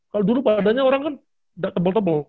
kalau dulu padanya orang kan udah tebel tebel